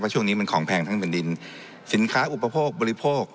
ช่วงนี้มันของแพงทั้งแผ่นดินสินค้าอุปโภคบริโภค